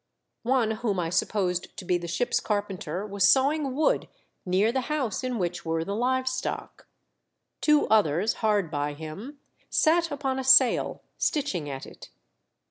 One whom I supposed THE DEATH SHIP'S FORECASTLE. 215 to be the ship's carpenter was sawing wood near the house in which were the hve stock. Two others, hard by him, sat upon a sail, stitching at it.